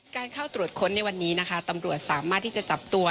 เข้าตรวจค้นในวันนี้นะคะตำรวจสามารถที่จะจับตัว